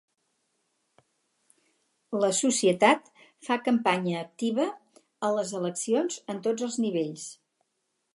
La societat fa campanya activa a les eleccions en tots els nivells.